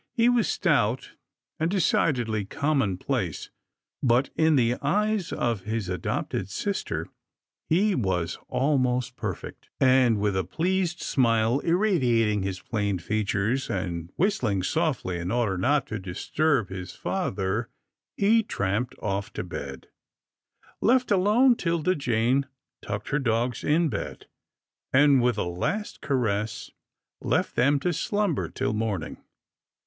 He was stout and decidedly commonplace, but, in the eyes 30 'TILDA JANE'S ORPHANS of his adopted sister, he was almost perfect, and, with a pleased smile irradiating his plain features, and whistling softly, in order not to disturb his father, he tramped off to bed. Left alone, 'Tilda Jane tucked her dogs in bed, and, with a last caress, left them to slumber till morning.